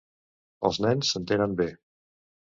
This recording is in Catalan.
Els nens s'entenen bé.